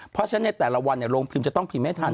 เพราะฉะนั้นในแต่ละวันโรงพิมพ์จะต้องพิมพ์ให้ทัน